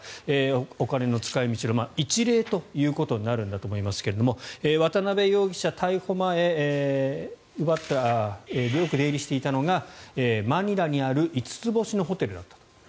お金の使い道の一例ということになるんだと思いますが渡邉容疑者、逮捕前よく出入りしていたのがマニラにある５つ星のホテルだったと。